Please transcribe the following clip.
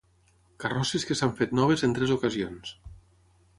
Carrosses que s'han fet noves en tres ocasions.